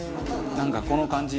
なんかこの感じ。